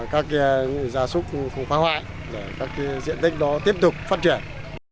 các gia súc không phá hoại để các diện tích đó tiếp tục phát triển